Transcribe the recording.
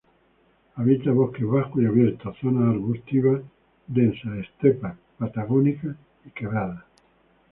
Habita bosques bajos y abiertos, zonas arbustivas densas, estepas patagónicas y quebradas.